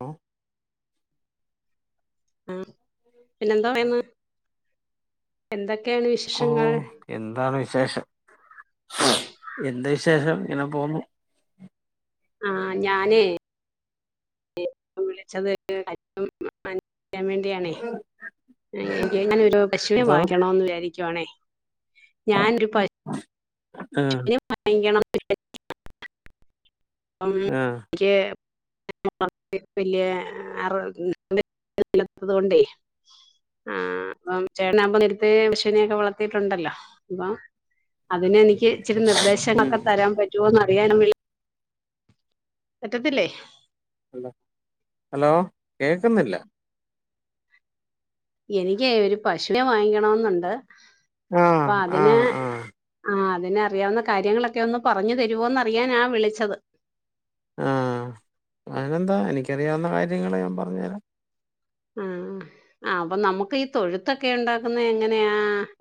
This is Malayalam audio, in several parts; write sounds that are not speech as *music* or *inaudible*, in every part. ഹ ആ പിന്നെ എന്താ പറയുന്ന എന്തൊ ഓ എന്താണ് വിശേഷം എന്ത് വിശേഷം ഇങ്ങനെ പോന്നു ആഹ ഞാനേ വിളിച്ചത് ൻ വേണ്ടിയണേ ഞാൻ ഭക്ഷിനെ എന്തോ വാങ്ങിക്കണന്ന് വിചാരിക്കുവാണേ ഞാനൊരു പ ആഹ് വാങ്ങിക്കണം ആഹ് എനിക്ക് വല്യത്തത് കൊണ്ടേ ആ അപ്പം ചേട്ടാവകുമ്പോ നിരത്തെഷണിയൊക്കെ വളർത്തിയിട്ടുണ്ടല്ലോ അപ്പം അതിനെ ഇച്ചിരി ഉം നിർദ്ദേശങ്ങളൊക്കെ തരാൻ പറ്റോന്ന് അറിയാനും പറ്റത്തില്ലേ ഹലോ കേക്കുന്നില്ല എനിക്ക് ഒരുര് പശുവിനെ വാങ്ങിക്കണമെന്നുണ്ട് അപ്പൊ ആഹ് അതിന് ആഹ് ആഹ് ആ അതിനെ അറിയാവുന്ന കാര്യങ്ങളൊക്കെ ഒന്ന് പറഞ്ഞു തരുമോന്ന് അറിയാനാ വിളിച്ചത് ആ അതിനെന്താ എനിക്കറിയാവുന്ന കാര്യങ്ങൾ ഞാൻ പറഞ്ഞു തരാം ആഹ ആ അപ്പൊ നമുക്ക് ഈ തൊഴുത്തൊക്കെ ഉണ്ടാക്കുന്ന എങ്ങനെയാ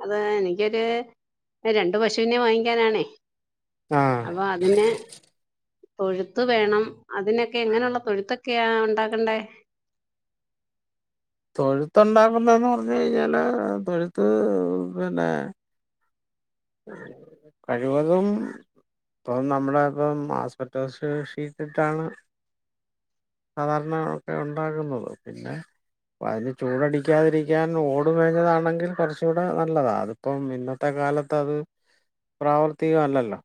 അത് എനിക്കൊരു രണ്ടു പശുവിനെ വാങ്ങിക്കാനാണേ ആഹ് അപ്പൊ അതിന് തൊഴുത്ത് വേണം അതിനൊക്കെ എങ്ങനെയുള്ള തൊഴുത്തൊക്കെയ ഉണ്ടാക്കണ്ടേ തൊഴുത്തുണ്ടാക്കുന്നെന്ന് പറഞ്ഞു കഴിഞ്ഞാല് തൊഴുത്ത് പിന്നെ കഴിവതും ഇപ്പൊ നമ്മുടെ ഇപ്പം ആസ്പറ്റോസ് ഷീറ്റിട്ടാണ്. സാധാരണൊക്കെ ഉണ്ടാകുന്നത് പിന്നെ അ അതിന് ചൂടടിക്കാതിരിക്കാൻ ഓടു മേഞ്ഞതാണെങ്കിൽ കൊർ ച്ചൂടെ നല്ലതാണ് അതിപ്പം ഇന്നത്തെ കാലത്ത് ത് പ്രാവർത്തിക അല്ലല്ലോ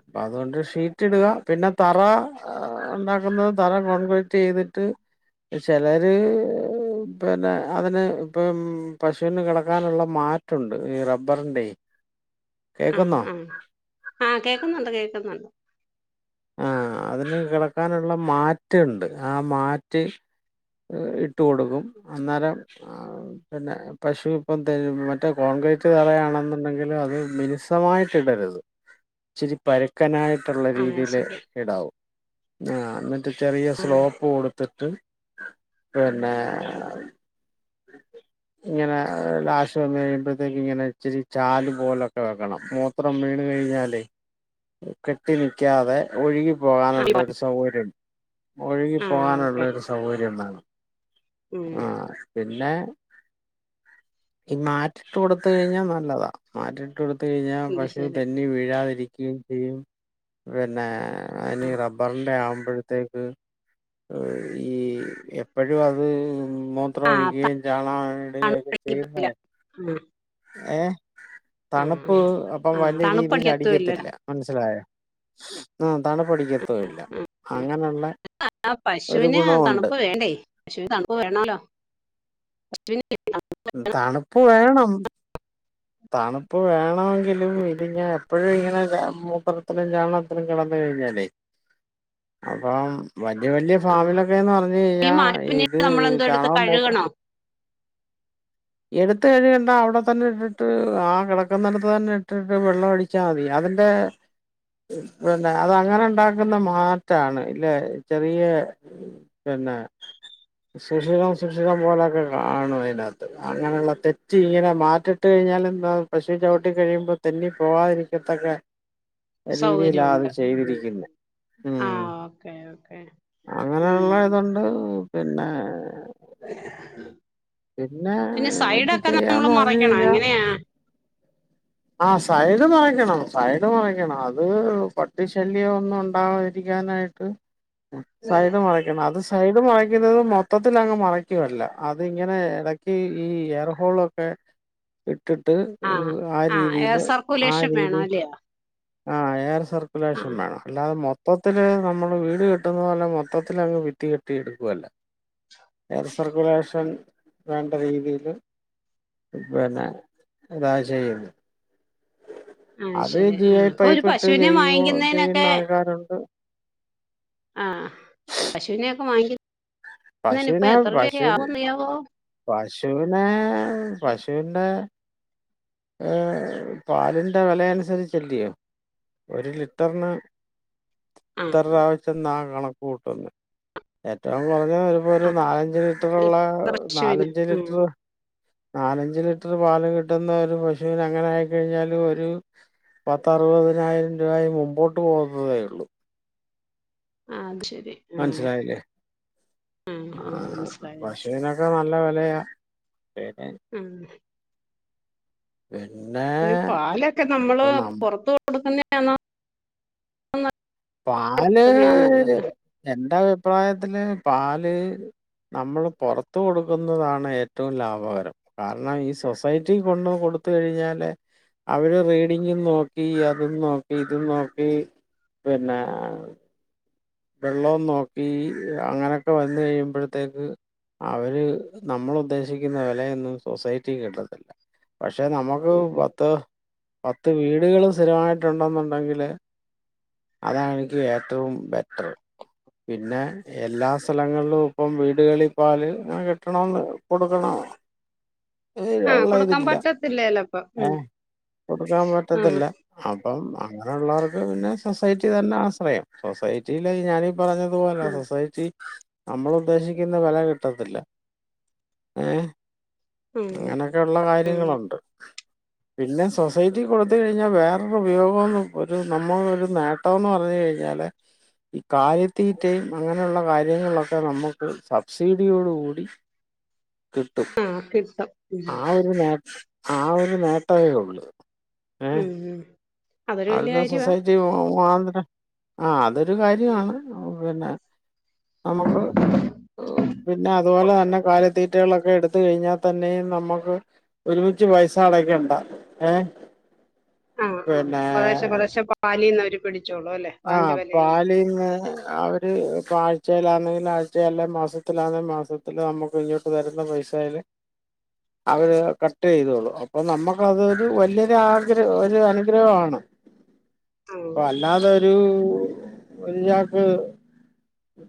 അപ്പ അതുകൊണ്ട് ഷീറ്റ് ഇടുക പിന്നെ തറ ഉണ്ടാക്കുന്നത് തറ കോൺക്രീറ്റ് ചെയ്തിട്ട് ചെലര് പിന്നെ അതിന് ഇപ്പം പശുവിന് കിടക്കാനുള്ള മാറ്റുണ്ട് ഈ റബ്ബ ർന്റെ ആ ആ ആഹ കേക്കുന്നുണ്ട് കേക്കുന്നുണ്ട്. ആ അതിന് കിടക്കാനുള്ള മാറ്റുണ്ട് ആ മാറ്റ് ഇട്ട് കൊടുക്കും. അന്നേരം പിന്നെ പശു പ്പം മറ്റേ ങ്കറ്റ് തറയാണെന്നുണ്ടെങ്കിലിൽ അത് മിനിസമായിട്ട ഇടരുത് ഇച്ചിരി പരുക്കനായിട്ട് ട്ട്ള്ള ആഹ് രീതിയില് ശരി ഇടാവൂ ന്നിട്ട് ചെറിയ സ്ലോപ് കൊടു ത്ത്ട്ട് പിന്നെ *inaudible* ഇങ്ങനെ ലാശം വന്ന കഴിയുമ്പോഴത്തേക്ക ഇങ്ങനെ ഇച്ചിരി ചാല് പോലൊക്കെ വെക്കണം മൂത്രം വീണ് കഴിഞ്ഞാലേ കെട്ടി നിക്കാതെ ഒഴുകി പോ ആഹ് പോകാനുള്ള ഒരു സൗകര്യംണ്ട് ഒഴുകി ആഹ് പോകാനുള്ള ഓക്കെ ഒരു സൗകര്യംണ്ടാണം. ഉം ആ പിന്നെ ഈ മാറ്റിട്ട് കൊടുത്ത് കഴിഞ്ഞാ നല്ലതാ മാറ്റി ട്ടെടുത്ത കഴിഞ്ഞാ അത് പശു ശരി തെന്നി വീഴാതിരിക്കുകയും ചെയ്യും പിന്നെ അന് റബ്ബറിന്റെ ആവുമ്പോഴത്തേക്ക് ഈ എപ്പോഴും അത് അത് മൂത്രം ആഹ് ഒഴിക്കുകയും ചാണാ തണുപ്പില്ല ഇടുകയൊക്കെ ചെയ്യുന്നല്ലേ ആഹ് ആഹ് തണുപ്പ് ആഹ് അപ്പം ആഹ് വല്യ രീതിൽ തണുപ്പടിക്കത്തും ഇല്ല അടിക്കത്തില്ല മനസിലായോ ആ തണപ്പ ടിക്കത്തുല്ല അങ്ങനെള്ള ആ പശുവിന് തണുപ്പ് വേണ്ടേ പശുവിന് തണുപ്പ് വേണല്ലോ പശുവിന് തണുപ്പ് വേണം. തണുപ്പ് വേണമെങ്കിലും ഇതി ഞാൻ എപ്പോഴും ഇങ്ങനെ മൂത്രത്തിലും ചാണത്തിലും കിടന്ന കയിഞ്ഞാല് അപ്പം വല്യ വല്യ ആ ഫാമിലൊക്കെന്ന് പറഞ്ഞു ഈ കഴിഞ്ഞാ മാറ്റി പിന്നീട് ഇത് നമ്മളെന്തോ എടുത്ത് ചാണകം മൂത്രം കഴുകണോ എടുത്ത കഴുകണ്ട അവിടെ തന്നെ ഇട്ടിട്ട് ആ കിടക്കുന്ന നേരത്ത് തന്നെ ഇട്ടിട്ട് വെള്ളം അടിച്ചാ മതി. എന്റെ പിന്നെ അത് അങ്ങനെ ഇ ണ്ടാക്കുന്ന മാറ്റാണ് ഇല്ലെ ചെറിയ പിന്നെ സുശിരം സുശ്രിറം പോലെൊക്കെ കാണും അയി നകത്ത് അങ്ങനെയുള്ള തെറ്റി ഇങ്ങനെ മാറ്റിട്ട് കഴിഞ്ഞാലും ന്താ പശു ചവിട്ടി കഴിയുമ്പോൾ തെന്നി പോവാതിരിക്ക ഇത്തൊക്കെ രീതിയിലാണ്ത് ചെയ്തിരിക്കുന്ന ആഹ ഓക്കേ ഓക്കെ ഉം അങ്ങനെയുള്ള ഇതുണ്ട് പിന്നെ *inaudible* പിന്നെ ഇത് സൈഡൊക്കെ നമ്മള് ചെയ്യാന്ന് പറഞ്ഞു മറയ്ക്കണോ കഴിഞ്ഞാൽ എങ്ങനെയാ ആ സ സൈഡ് മറയ്ക്കണം സൈഡ് മറയ്ക്കണം അത് പട്ടി ശല്യം ഒന്നും ഉണ്ടാതിരിക്കാനായിട്ട് സൈഡ് മറക്കണം അത് സൈഡ് മറയ്ക്കുന്നത് മൊത്തത്തി അങ്ങ് മറയ്ക്കുവല്ല അതി ഇങ്ങനെ ഇട ഈ ഈ എയർഹോളൊക്കെ ഇ ഇട്ടിട്ട് ആ എയർ രീതിയില് ആ സർക്കുലേഷൻ വേണം രീതി അല്ലയോ ആഹ് എയർ ആ സർക്കുലേഷൻ വേണം അല്ലാതെ മൊ മൊത്തത്തില് നമ്മള് വീട് കെട്ടുന്ന പോലെ മൊത്തത്തില് അങ്ങ് ഭിത്തി കെട്ടി എടുക്കുവല്ല എയർ സർക്കുലേഷൻ വേണ്ട രീതിയില് പിന്നെ ഇതാ ചെയ്യുന്നു അത് ശരി ആ ഇപ്പൊ ഒരു പശുവിനെ ചെയ്യുവോ ചെയ്യുന്ന വാങ്ങിക്കുന്നതിനൊക്കെ ആൾക്കാരുണ്ട് *unintelligible* ആ പശുവിനെയൊക്കെ വാങ്ങിക്കു നേന് ഇപ്പോ എത്ര രൂപ ആവുന്ന്‌ അറിയാവോ പശുനെ പശുന്റെ ഏഹ് പാലിന്റെ വിലയനുസരിച്ചല്യോ ഒരു ലിറ്ററിന് ആ ഇത്രരൂവ നാ കണക്ക്‌ കൂട്ടന്ന് എത്രന് അങ്ങനെ വരുമ്പോ ഒരു ആ നാലഞ്ച് ലിറ്ററുള്ള പശുവിന് നാലഞ്ച് ഉം ലിറ്റർ നാലഞ്ച് ലിറ്റർ പാല് കിട്ടുന്ന ഒരു പശുവിന് എങ്ങനെ ആയി കഴിഞ്ഞാലും ഒരു പത്ത് അറുപതിനായിരം രൂപയി മുമ്പോട്ട് പോകുന്നതേ ഉള്ളു ആ അത് ശരി ഉം മനസിലായില്ലേ ഉം ആ ഉം മനസ്സിലായി മനസ്സിലായി പശുവിനൊക്കെ നല്ല വിലയാ പിന്നെ ഉം പിന്നെ പാലൊക്കെ നമ്മള് ഇപ്പൊ നം പൊറത്ത് കൊടുക്കുന്നയാണോ പാല് എന്റെ അഭിപ്രായത്തില് പാല് നമ്മള് പുറത്ത് കൊടുക്കുന്നതാണ് ഏറ്റവും ലാഭകരം കാരണം ഈ സൊസൈറ്റി കൊണ്ട് കൊടു ത്ത് കഴിഞ്ഞാല് അവര് റീഡിങ്ങും നോക്കി അതും നോക്കി ഇതും നോക്കി പിന്നെ വെള്ളം നോക്കി അങ്ങനെയൊക്കെ വന്ന്‌ കഴിയുമ്പോഴത്തേക്ക് അവര് നമ്മൾ ഉദ്ദേശിക്കുന്ന വിലയൊന്നും സൊസൈറ്റി കിട്ടത്തില്ല പക്ഷെ നമുക്ക് ഉം പത്ത് പത്ത് വീടുകൾ സ്ഥിരമായിട്ടുണ്ടെന്നുണ്ടെങ്കിൽ അതാ ഏറ്റവും ബെ ആ പിന്നെ എല്ലാ സ്ഥലങ്ങളിലും ഇപ്പം വീടുകളിൽ പാല് അങ്ങനെ കിട്ടണംന്ന് കൊടുക്കണ ആ കൊടുക്കാൻ പറ്റത്തില്ലല്ല ഏഹ് കൊടുക്കാൻ ആഹ് പറ്റത്തില്ല അപ്പം അങ്ങനെയുള്ളവർക്ക് പിന്നെ സൊസൈറ്റി തന്നെയാണ്ശ്രേയം സൊസൈറ്റിയിലേ ഞാനീ പറഞ്ഞതുപോലെ ഉം സൊസൈറ്റി നമ്മൾ ഉദ്ദേശിക്കുന്ന വില കിട്ടത്തില്ല ഏഹ് ഉം അങ്ങനൊക്കെയള്ള ഉം കാര്യങ്ങളുണ്ട് പിന്നെ സൊസൈറ്റി കൊടുത്ത കഴിഞ്ഞാൽ വേറൊരു ഉപയോഗം ഒരു നമ്മൾ ഒരു നേട്ടംന്ന് പറഞ്ഞ് കഴിഞ്ഞ കഴിഞ്ഞാല് കാലിത്തീറ്റയും അങ്ങനെയുള്ള കാര്യങ്ങളൊക്കെ നമുക്ക് സബ്സിഡിയോട് കൂടി *unintelligible* കിട്ടും ആഹ് കിട്ടും ഉം ആ ഒരു നേ ആ ഒരു നേട്ടയേ ഉള്ളൂ ഉം അതൊരു വല്യ അവിടുന്ന്‌ കാര്യവാ സൊസൈറ്റി പോ വാൻ തന്നെ ആ അതൊരു കാര്യമാണ് പിന്നെ നമുക്ക് പിന്നെ അതുപോലെ തന്നെ കാലിത്തീറ്റകളൊ ക്കേ എടുത്ത് കഴിഞ്ഞാൽ തന്നെയും നമ്മുക്ക് ഒരുമിച്ച് പൈസ അടക്കണ്ട ഏഹ് ആ ആ കുറെശെ കുറേശെ പാലിന്ന് അവര് പിടി ആ പാലിന്ന് അവര് പാ ഉഴച്ചയിലാണെങ്കും ആഴ്ച്ച അല്ലെ മാസത്തിലാണെ മാസത്തില് നമുക്ക് ഇങ്ങോട്ട് തരുന്ന പൈസല് അവര് കട്ട് ചെയ്തോളു അപ്പൊ നമ്മുക്ക അത്ൊരു വല്ിയൊരു ആഗ്രഹ ഒരു അനുഗ്രഹമാണ് ആ അപ്പൊ അല്ലാതെ ഒരു ചക്ക്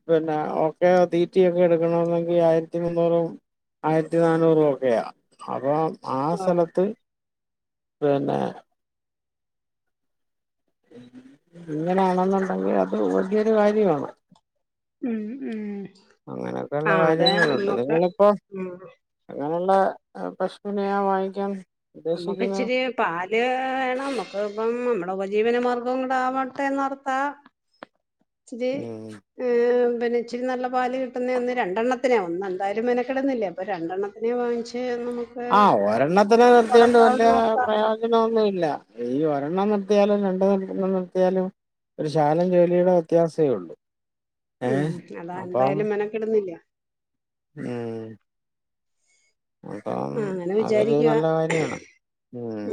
പിന്നെ ഒക്കെ തീറ്റിയ ഒക്കെ എടുക്കണെങ്കി ആയിരത്തി മുന്നൂറും ആയിരത്തി നന്നൂറൂപ ഒക്കെയാ അപ്പൊ ആ ആഹ് സ്ഥലത്ത് പിന്നെ ഇങ്ങനാണെന്നുണ്ടെങ്കിൽ അത് വലിയൊരു കാര്യമാണ് ഉം ഉം അങ്ങനെയൊക്കെയള്ള ആഹ് അതെ കാര്യങ്ങളുണ്ട് നമ്മക്ക് നിങ്ങളിപ്പോൊ അങ്ങനുള്ള നമ്മുക്ക് ഉദ്ദേശിക്കുന്നത് ഇച്ചിരി പാല് വണം നമ്മുക്ക് ഇപ്പം നമ്മ ഉോപജീവന മാർഗം കൂട ആാവട്ടെന്ന്ർത്ത ഇത് ഉം ഏ അെ ഇച്ചിരി നല്ല പാല് കിട്ടുന്ന ഒന്ന് രണ്ടെണ്ണനെ ഒന്ന എന്തായാലും മനക്കിടുന്നില്ലേ അപ്പോൾ രണ്ടെണ്ണത്തിനെ വാങ്ങിച്ച് നമുക്ക് ആഹ് ഒരെണ്ണത്തിനന് നിത്തിണ്ട് വല വളർത്താവുന്നോർത്താ പ്രയോജനം ഒന്നും ഇല്ല ഈ ഒരെണ്ണം നിർത്തിയാലും രണ്ട നണ്ണം നിർത്തിയാലും ഒരു ശാലം ജോലിയുടെ വ്യത്യാസമേ ഉള്ളൂ ഉം ഏഹ് അതാ അപ്പം എന്തായാലും മനക്കിടുന്നില്ല ഉം അപ്പം ആ അങ്ങനെ അതൊരു വിചാരിക്കവാ നല്ല കാര്യാണ്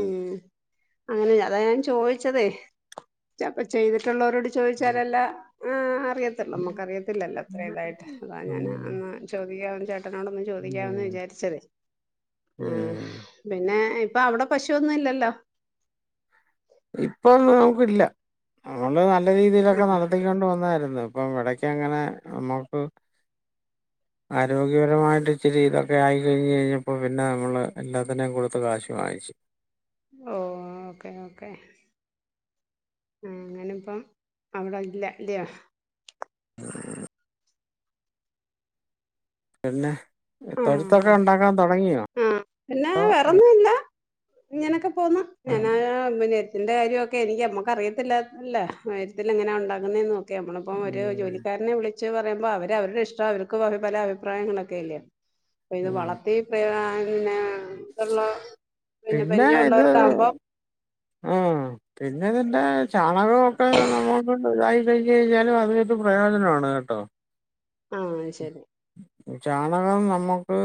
ഉം അങ്ങനെ അതാ ഞാൻ ചോദിച്ചതേ അപ്പ ചെയ്തിട്ടുള്ളവരോട് ചോദിച്ചാലല്ല ആ അറിയത്തില്ലോ നമുക്കറിയത്തില്ലല്ലോ അത്ര ഇതായിട്ട് അതാ ഉം ഞാൻ അന്ന് ചോദിക്കാ ോ ചോദിക്കന്ന് ഉം വിചാരിച്ചത് ഉം പിന്നെ ഏ ഇപ്പൊ അവിടെ പശുൊന്നും ഇല്ലല്ലോ ഇപ്പൊന്നും നമുക്കില്ല നമ്മള് നല്ല ആ രീതിയിലൊക്കെ നടത്തിക്കൊണ്ട് വന്നായിരുന്നു ഇപ്പം ഇടക്ക് അങ്ങനെ നമ്മുക്ക് ഉ ആരോഗ്യപരമായിട്ട് ഇച്ചിരി ഇതൊക്കെ ആയി കഴിഞ്ഞ് കഴിഞ്ഞപ്പോ പിന്നെ നമ്മള് എല്ലാത്തിനെയും കൊടുത്ത് കാശ് വാങ്ങിച്ചു ശ ഓ ഓക്കെ ഓക്കേ ആ അങ്ങന ഇപ്പം അവിടെ ഇല്ല അല്ലയോ ആ പിന്നെ ആ തൊഴത്തൊക്കെ ഉണ്ടാക്കാൻ തുടങ്ങിയോ ആ പിന്നെ അ വേറൊന്നുല്ല ഇങ്ങനൊക്കെ പോന്ന ഞാനാെറ്റിന്റെ കാര്യമൊക്കെ എനിക്ക് അമ്മക്ക് അറിയത്തില്ലല്ല ത്തിൽ എങ്ങന ഉണ്ടാുന്ന ക്കെ നമ്മളിപ്പം ഒരു ഉം ജോലിക്കാരനെ വിളച്ച് പറയുമ്പോ അവര് അവരുടെ ഇഷ്ടം അവർക്ക്ും പല അഭിപ്രായങ്ങളൊക്കെ അല്ലേ അപ്പൊ ഇത് ഉം വളർത്തി ഇന്ന ഇള്ള പിന്നെ പരിചയം ഉള്ളവർക്ക ആകുമ്പോം ആഹ പിന്നെതെന്താ ചാണകംൊക്കെ നമ്മൾൊണ്ട്തായി കഴിഞ്ഞു കഴിഞ്ഞാലും അതിനൊരു പ്രയോജനമാണ് കേട്ടോ ആ ശരി ചാണകം നമ്മുക്ക്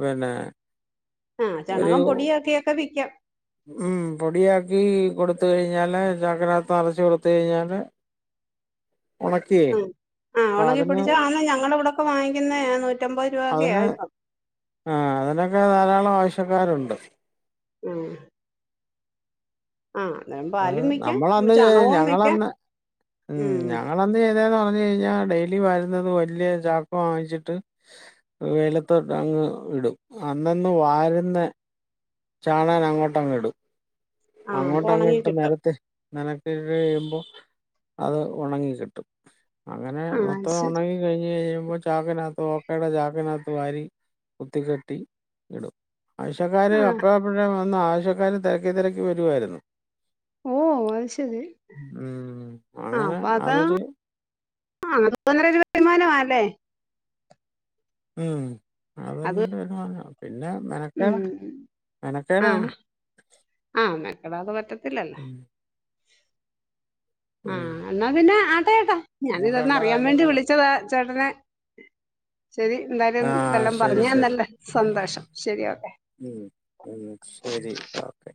പിന്നെ ആഹ ഒരു ചണകും പൊടിയും ഒക്കെയൊക്കെ വിൽക്കാം ഉം പൊടിയാക്കി കൊടുത്ത കഴിഞ്ഞാല് ചക്രത്ത് നിറച്ച കൊടുത്ത കഴിഞ്ഞാല് ഉണക്കിയേ ആ ആ് അപ്പൊ ഉണങ്ങി അതിന് പിടിച്ചോ അന്ന് ഞങ്ങളുടെ കൂടെൊക്കെ വാങ്ങിക്കുന്ന നൂറ്റമ്പത് രൂപയൊക്കെയാ അതിന് ഇപ്പം ആഹ അതിനൊക്കെ ധാരാളം ആവശ്യക്കാരുണ്ട് ഉം ആഹ് അന്നേരം അത് പാലും വിക്കാം നമ്മളന്ന് ചണകവും വിക്കാം ഞങ്ങളന്ന് ഉം ഞങ്ങ എന്ത് ചെയ്തന്ന് പറഞ്ഞഞ് കഴിഞ്ഞ ഞാൻ ഡെയിലി വരുന്നത് വലിയ ചാക്ക വാങ്ങിച്ചിട്ട് വെയിലത്തട്ട അങ്ങ് ഇടും അന്നന്ന് വാരന്ന് ചാണാൻ അങ്ങോട്ട അങ്ങ ഇടും ആഹ് അപ്പൊ അങ്ങോട്ട് ഉണങ്ങി അങ്ങോട്ട് കിട്ടും നേരത്തെ നനക്കി കഴിയുമ്പോൾ അത് ഉണങ്ങ കിട്ടും അങ്ങനെ ആഹ് മൊത്തം ശരി ഉണങ്ങി കഴിഞ് കഴഞ്ഞം ചാക്കിനകത്ത് ഓക്കയുടെ ചാക്കിനകത്ത് വാരി കുത്തി കെട്ടി ഇടും ആഴ്ശക്കാാര് ആഹ് അപ്പോഴ അപ്പഴേ വന്ന് ആശക്കാര് തിരക്കി തിരക്കി വരുായിരുന്നു ഓഹ് അത് ശെരി ഉം. ആഹ് അങ്ങനെ അപ്പ അതാ അതൊരു *unintelligible* മാനമാല്ലേ ഉം അത് *unintelligible* മാന പിന്നെ മെനക്കേട ഉം മെനക്കേടാണ് ആഹ് ആഹ് മെക്കടാതെ പറ്റത്തില്ലല്ലാ ഉം. ഉം. ആഹ് എന്നാ പിന്നെ ആട്ടേ ഏട്ടാ ഞാനിതൊന്ന് അങ്ങനെയൊക്കെയുള്ള അറിയാൻ വേണ്ടി കാര്യങ്ങളുണ്ട് വിളിച്ചതാ ചേട്ടനെ ശെരി എന്തായാലും ആ ഇതെല്ലാം ശരി ശരി പറഞ്ഞ്തന്നല്ല സന്തോഷം ശെരി ഓക്കെ ഉം. ഉം ശെരി ഓക്കെ